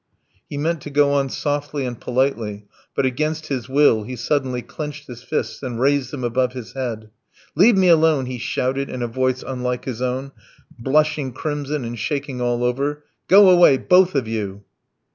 He meant to go on softly and politely, but against his will he suddenly clenched his fists and raised them above his head. "Leave me alone," he shouted in a voice unlike his own, blushing crimson and shaking all over. "Go away, both of you!"